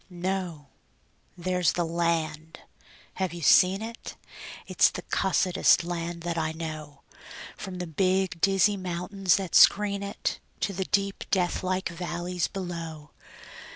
No! There's the land. (Have you seen it?) It's the cussedest land that I know, From the big, dizzy mountains that screen it To the deep, deathlike valleys below.